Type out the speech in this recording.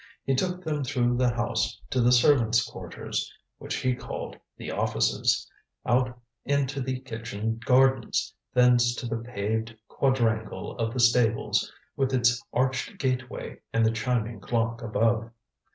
He took them through the house to the servants' quarters which he called "the offices" out into the kitchen gardens, thence to the paved quadrangle of the stables with its arched gateway and the chiming clock above.